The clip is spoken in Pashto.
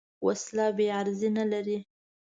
وسله بېغرضي نه لري